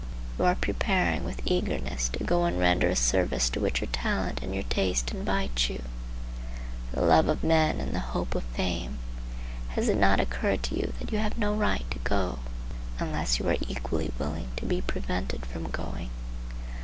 You are preparing with eagerness to go and render a service to which your talent and your taste invite you, the love of men and the hope of fame. Has it not occurred to you that you have no right to go, unless you are equally willing to be prevented from going?